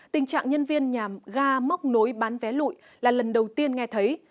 tình trạng nhân viên nhà ga móc nối bán vé lụi là lần đầu tiên nghe thấy